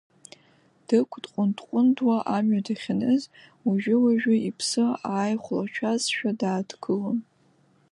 Дыгә дҟәынд-ҟәындуа амҩа дахьаныз уажәы-уажәы иԥсы ааихәлашәазшәа дааҭгылон.